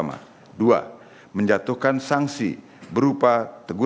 dua menjatuhkan sanksi berupa teguran